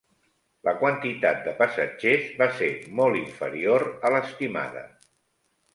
La quantitat de passatgers va ser molt inferior a l'estimada.